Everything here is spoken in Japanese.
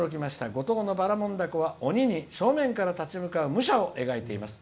五島のばらもん凧は鬼に正面から立ち向かう武者を描いています。